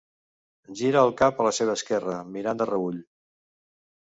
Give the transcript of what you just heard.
Gira el cap a la seva esquerra, mirant de reüll.